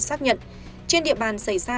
xác nhận trên địa bàn xảy ra